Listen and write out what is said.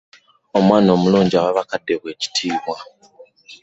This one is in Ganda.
Omwana omulungi owa bakadde be ekitiibwa.